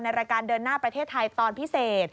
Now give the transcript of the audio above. รายการเดินหน้าประเทศไทยตอนพิเศษ